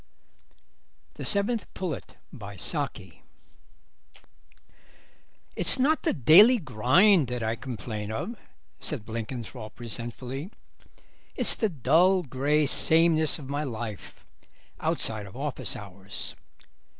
THE SEVENTH PULLET "It's not the daily grind that I complain of," said Blenkinthrope resentfully; "it's the dull grey sameness of my life outside of office hours.